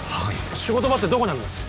仕事場ってどこにあるんだ？